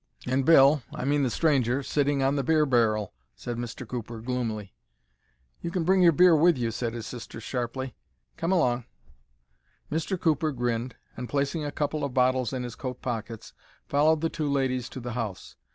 "And Bill—I mean the stranger—sitting on the beer barrel," said Mr. Cooper, gloomily. "You can bring your beer with you," said his sister, sharply. "Come along." Mr. Cooper grinned, and, placing a couple of bottles in his coat pockets, followed the two ladies to the house.